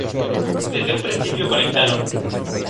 Desde un principio conectaron.